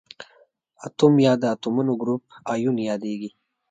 اتوم یا د اتومونو ګروپ ایون یادیږي.